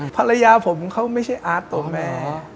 ภรรยาผมเขาไม่ใช่อาร์ตตัวแม่